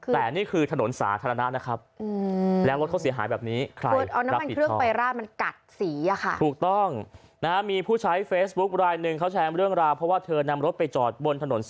แต่นี่คือถนนสาธารณะนะครับ